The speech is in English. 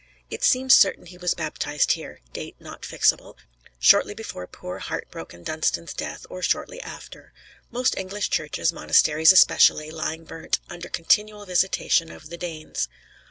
It seems certain he was baptized here; date not fixable; shortly before poor heart broken Dunstan's death, or shortly after; most English churches, monasteries especially, lying burnt, under continual visitation of the Danes.